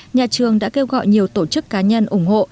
nhà trường đã kêu gọi nhiều tổ chức cá nhân ủng hộ